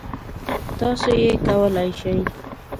تاسو یې کولای شی.